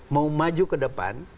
mau maju ke depan